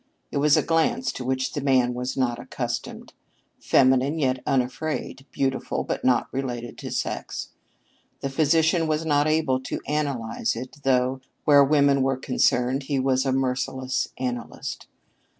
It was a glance to which the man was not accustomed feminine yet unafraid, beautiful but not related to sex. The physician was not able to analyze it, though where women were concerned he was a merciless analyst.